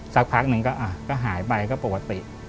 สักพักหนึ่งก็หายไปก็ปกติ